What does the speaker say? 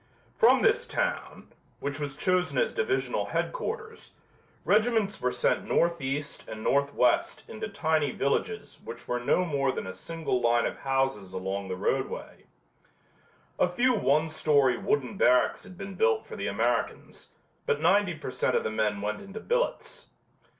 From this town, which was chosen as divisional headquarters, regiments were sent northeast and northwest into tiny villages which were no more than a single line of houses along the roadway. A few one story wooden barracks had been built for the Americans, but ninety per cent. of the men went into billets.